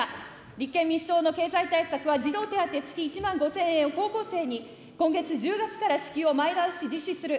立憲民主党の経済対策は、児童手当月１万５０００円、高校生に今月・１０月から支給を前倒しして実施する。